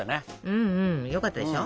うんうんよかったでしょ。